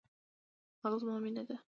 هغه زما مينه ده.